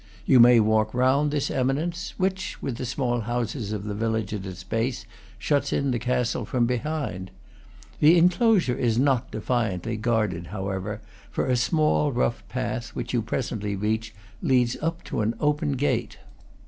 You may walk round this eminence, which, with the small houses of the village at its base, shuts in the castle from behind. The enclosure is not defiantly guarded, however; for a small, rough path, which you presently reach, leads up to an open gate.